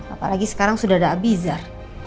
apalagi sekarang sudah ada abizar